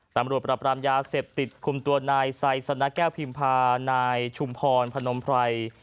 ตำรวจปรับรามยาเสพติดคุมตัวนายไซสนะแก้วพิมพานายชุมพรพนมไพร